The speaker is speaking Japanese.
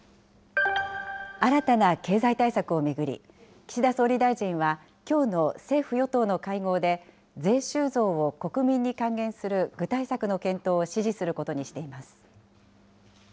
新たな経済対策を巡り、岸田総理大臣は、きょうの政府・与党の会合で、税収増を国民に還元する具体策の検討を指示することにしています。